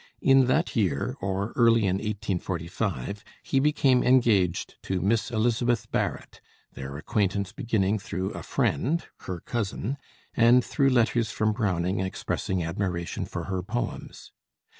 In that year, or early in 1845, he became engaged to Miss Elizabeth Barrett, their acquaintance beginning through a friend, her cousin, and through letters from Browning expressing admiration for her poems.